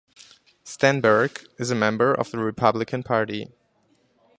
Stenberg is a member of the Republican Party.